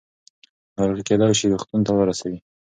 ناروغي کېدای شي روغتون ته ورسوي.